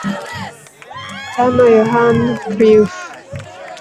Tano Yohan Cruyff